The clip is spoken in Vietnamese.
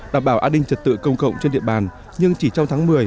đảm bảo an ninh trật tự công cộng trên địa bàn nhưng chỉ trong tháng một mươi